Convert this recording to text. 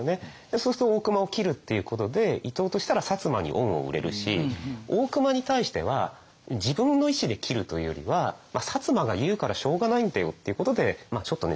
そうすると大隈を切るっていうことで伊藤としたら摩に恩を売れるし大隈に対しては自分の意志で切るというよりは摩が言うからしょうがないんだよっていうことでちょっとね